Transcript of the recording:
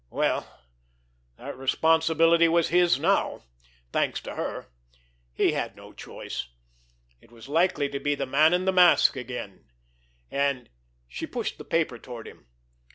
Well, that responsibility was his now, thanks to her.... He had no choice.... It was likely to be the man in the mask again, and—— She pushed the paper toward him.